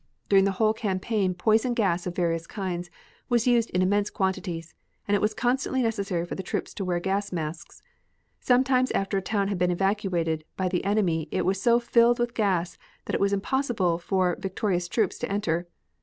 During the whole campaign poison gas of various kinds was used in immense quantities, and it was constantly necessary for the troops to wear gas masks. Sometimes after a town had been evacuated by the enemy it was so filled with gas that it was impossible for victorious troops to enter.